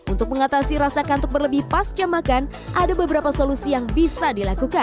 untuk mengatasi rasa kantuk berlebih pas jam makan ada beberapa solusi yang bisa dilakukan